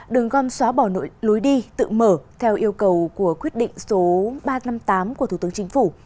đường gom xóa bỏ lối đi tự mở theo yêu cầu của quyết định số ba trăm năm mươi tám của thủ tướng chính phủ